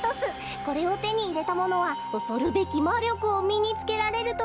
これをてにいれたものはおそるべきまりょくをみにつけられるという。